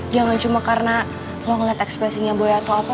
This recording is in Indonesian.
jangan cuma karena lo ngeliat ekspresinya boy atau apa